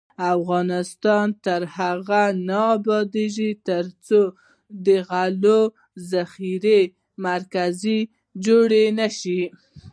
افغانستان تر هغو نه ابادیږي، ترڅو د غلو د ذخیرې مرکزونه جوړ نشي.